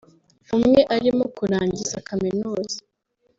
umwe arimo kurangiza kaminuza